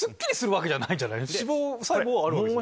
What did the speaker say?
脂肪細胞はあるわけですよね。